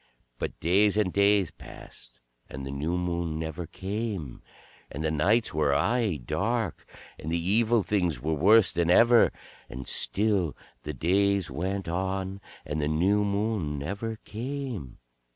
But days and days passed, and the new Moon never came, and the nights were aye dark, and the Evil Things were worse than ever. And still the days went on, and the new Moon never came.